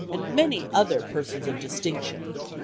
and many other persons of distinction.